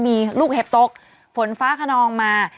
มีลูกเห็บตกฝนฟ้าขนองมา